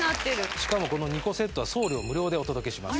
しかもこの２個セットは送料無料でお届けします。